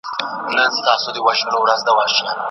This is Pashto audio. که په کار بوخت نه اوسې نو وخت به دې ضایع سي.